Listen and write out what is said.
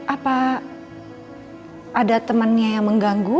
apa ada temannya yang mengganggu